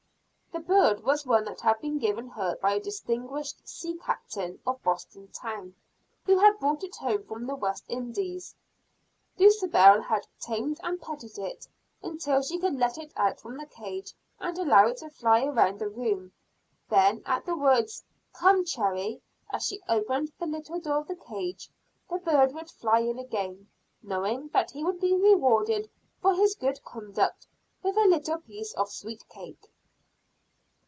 The bird was one that had been given her by a distinguished sea captain of Boston town, who had brought it home from the West Indies. Dulcibel had tamed and petted it, until she could let it out from the cage and allow it to fly around the room; then, at the words, "Come Cherry," as she opened the little door of the cage, the bird would fly in again, knowing that he would be rewarded for his good conduct with a little piece of sweet cake.